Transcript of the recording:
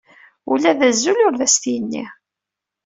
Ula d azul ur as-t-yenni.